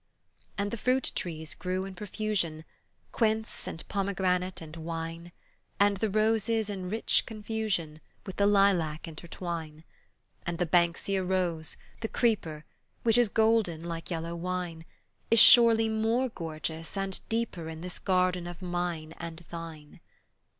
And the fruit trees grew in profusion, Quince and pomegranate and wine, And the roses in rich confusion With the lilac intertwine, And the Banksia rose, the creeper, Which is golden like yellow wine, Is surely more gorgeous and deeper In this garden of mine and thine.